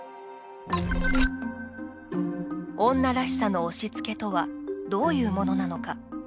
女らしさの押しつけとはどういうものなのか。